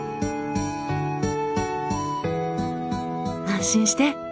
安心して。